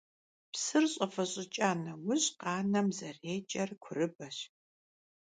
Псыр щIэвэщIыкIа нэужь къанэм зэреджэр курыбэщ.